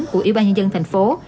của yếu ban nhân dân thành phố